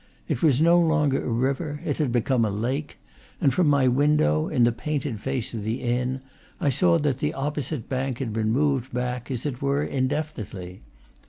It was no longer a river, it had become a lake; and from my window, in the painted face of the inn, I saw that the opposite bank had been moved back, as it were, indefinitely.